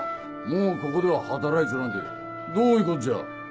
もうここでは働いちょらんてどういうことじゃ？